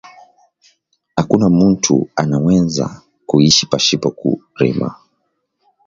Akuna muntu ana weza ku ishi pashipo ku rima